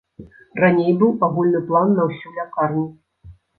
Раней быў агульны план на ўсю лякарню.